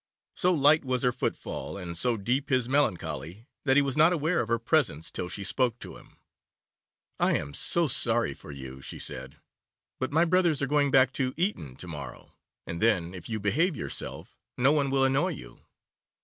So light was her footfall, and so deep his melancholy, that he was not aware of her presence till she spoke to him. 'I am so sorry for you,' she said, 'but my brothers are going back to Eton to morrow, and then, if you behave yourself, no one will annoy you.